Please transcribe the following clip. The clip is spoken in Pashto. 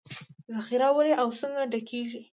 ذخیرې ولې او څنګه ډکېږي